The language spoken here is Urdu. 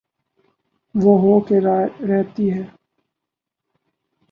وہ ہو کے رہتی ہے۔